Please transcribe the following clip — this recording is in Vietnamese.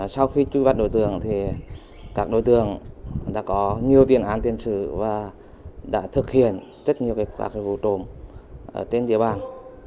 sau khi truy bắt đối tượng thì các đối tượng đã có nhiều viên án tiến xử và đã thực hiện rất nhiều các nghiệp vụ trộm ở trên địa bàn